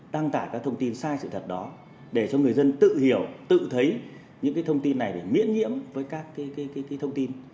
đăng tải các thông tin sai sự thật đó để cho người dân tự hiểu tự thấy những thông tin này để miễn nhiễm với các thông tin